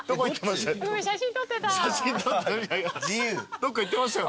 どっか行ってましたよ。